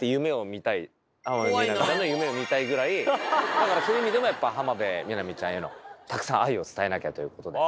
だからそういう意味でもやっぱ浜辺美波ちゃんへのたくさん愛を伝えなきゃということで。